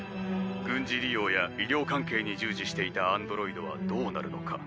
軍事利用や医療関係に従事していたアンドロイドはどうなるのか？